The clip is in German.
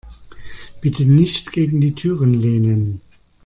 Bitte nicht gegen die Türen lehnen.